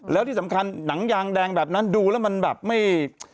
แล้วที่สำคัญหนังยางแดงแบบนั้นดูแล้วมันแบบไม่